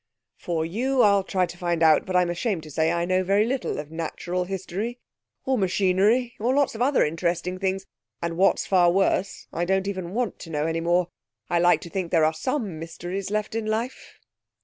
'For you, I'll try to find out; but I'm ashamed to say I know very little of natural history or machinery, or lots of other interesting things. And, what's far worse, I don't even want to know any more. I like to think there are some mysteries left in life.'